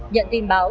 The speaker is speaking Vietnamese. nhận tin báo